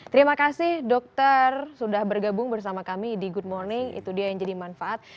terima kasih dokter sudah bergabung bersama kami di good morning itu dia yang jadi manfaat